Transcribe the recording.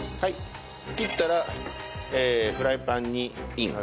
切ったらフライパンにイン。